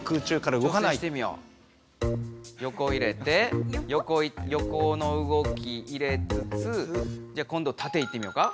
ヨコ入れてヨコの動き入れつつじゃあ今度タテいってみようか。